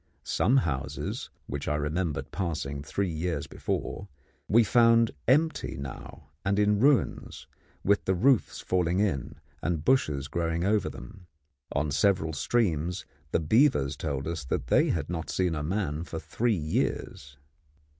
Some houses, which I remembered passing three years before, we found empty now and in ruins, with the roofs falling in and bushes growing over them. On several streams the beavers told us that they had not seen a man for three years.